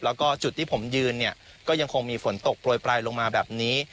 แล้วก็จุดที่ผมยืนเนี่ยก็ยังคงมีฝนตกโปรยปลายลงมาแบบนี้